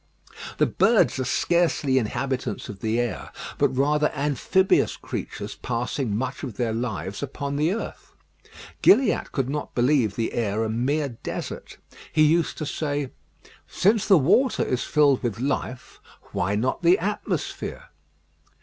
The birds are scarcely inhabitants of the air, but rather amphibious creatures passing much of their lives upon the earth. Gilliatt could not believe the air a mere desert. He used to say, "Since the water is filled with life, why not the atmosphere?"